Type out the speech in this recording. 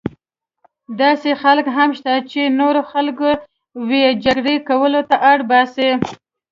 داسې خلک هم شته چې نور خلک وه جګړې کولو ته اړ باسي.